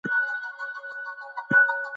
سوله د پرمختګ لومړی شرط دی.